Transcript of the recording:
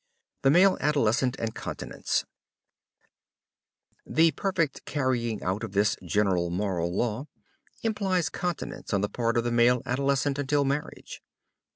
THE MALE ADOLESCENT AND CONTINENCE The perfect carrying out of this general moral law implies continence on the part of the male adolescent until marriage.